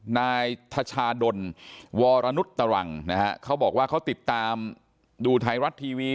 นายทชาดลวรนุษตรังนะฮะเขาบอกว่าเขาติดตามดูไทยรัฐทีวี